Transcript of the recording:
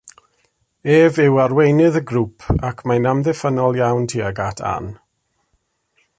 Ef yw arweinydd y grŵp ac mae'n amddiffynnol iawn tuag at Anne.